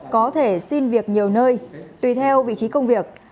có thể xin việc nhiều nơi tùy theo vị trí công việc